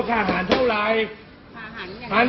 สุทธิ์ที่สุด